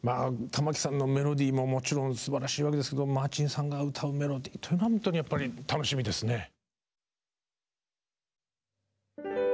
玉置さんの「メロディー」ももちろんすばらしいわけですけどマーチンさんが歌う「メロディー」は本当にやっぱり楽しみですね。